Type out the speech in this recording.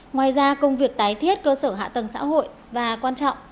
ngoài ra công việc tái thiết cơ sở hạ tầng xã hội và quan trọng